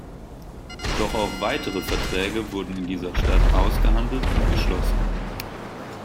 Doch auch weitere Verträge wurden in dieser Stadt ausgehandelt und geschlossen.